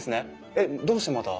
えっどうしてまた？